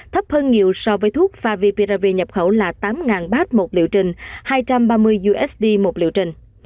thấp hơn nhiều so với thuốc favi perav nhập khẩu là tám bát một liệu trình hai trăm ba mươi usd một liệu trình